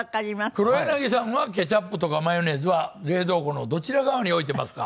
黒柳さんはケチャップとかマヨネーズは冷蔵庫のどちら側に置いてますか？